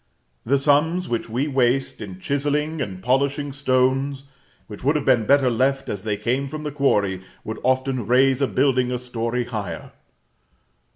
The sums which we waste in chiselling and polishing stones which would have been better left as they came from the quarry would often raise a building a story higher.